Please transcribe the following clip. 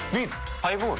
ハイボール？